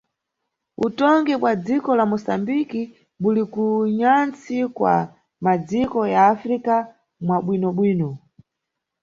Utongi bwa dziko la Moçambique buli ku nyantsi kwa, madziko ya Africa, mwa bwino-bwino.